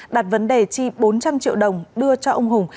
đặt vấn đề chi bốn trăm linh triệu đồng đưa cho ông hùng